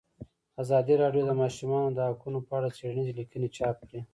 ازادي راډیو د د ماشومانو حقونه په اړه څېړنیزې لیکنې چاپ کړي.